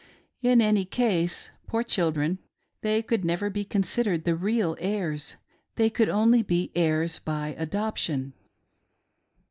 In any case, poor children ! they could never be con sidered the real\i&\x% — they could only be "heirs by adoption."